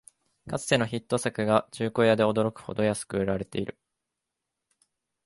かつてのヒット作が中古屋で驚くほど安く売られてる